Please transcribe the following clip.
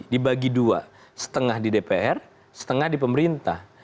kedua setengah di dpr setengah di pemerintah